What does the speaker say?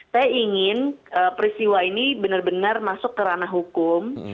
saya ingin peristiwa ini benar benar masuk ke ranah hukum